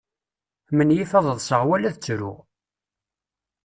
Menyif ad ḍseɣ wala ad ttruɣ.